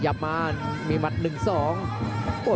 พยาบกระแทกมัดเย็บซ้าย